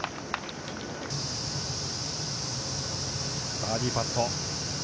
バーディーパット。